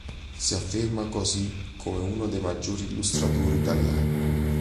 Si afferma così come uno dei maggiori illustratori italiani.